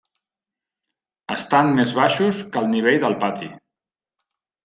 Estan més baixos que el nivell del pati.